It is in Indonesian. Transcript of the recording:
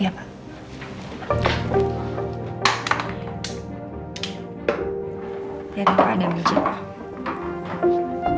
ya pak ada mucin